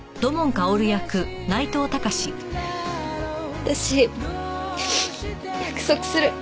私約束する。